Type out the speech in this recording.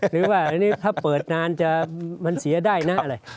หรือว่าอันนี้ถ้าเปิดนานจะมันเสียได้นะอะไร